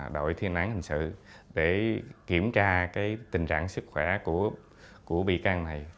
đội thiên án hình sự để kiểm tra tình trạng sức khỏe của bị can này